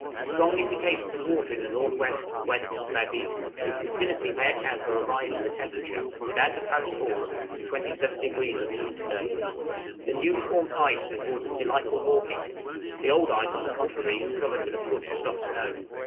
Strong indications of water in the N.W., W., and S.E.; its vicinity may account for a rise in the temperature, without apparent cause, to 27° at noon to day. The newly formed ice affords us delightful walking; the old ice on the contrary is covered with a foot of soft snow.